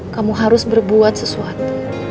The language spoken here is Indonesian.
kamu harus berbuat sesuatu